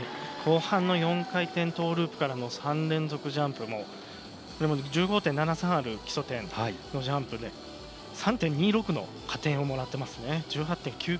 後半４回転トーループから４連続ジャンプも１５．７３ある基礎点のジャンプ３．２６の加点をもらっています。